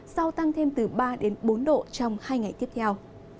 sau tăng thêm từ ba đến bốn độ trong hai ngày tiếp theo